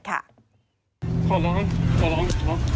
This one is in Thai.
ขอร้องขอร้อง